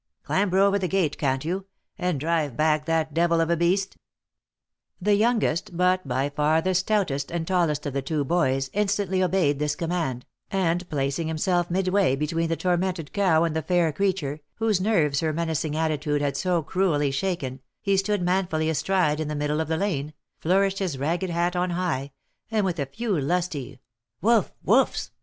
Clamber over the gate, can't you, and drive back that devil of a beast." OF MICHAEL ARMSTRONG. 15 The youngest, but by far the stoutest and tallest of the two boys, instantly obeyed this command, and placing himself midway be tween the tormented cow and the fair creature, whose nerves her menacing attitude had so cruelly shaken, he stood manfully astride in the middle of the lane, flourished his ragged hat on high, and with a few lusty " wough ! woughs